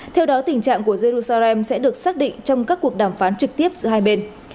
theo đó tình trạng của jerusalem sẽ được xác định trong các cuộc đàm phán trực tiếp giữa hai bên